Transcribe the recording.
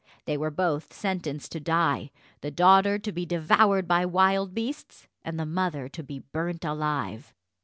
They were both sentenced to die the daughter to be devoured by wild beasts, and the mother to be burnt alive.